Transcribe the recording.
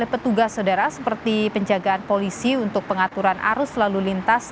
petugas saudara seperti penjagaan polisi untuk pengaturan arus lalu lintas